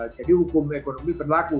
jadi hukum ekonomi berlaku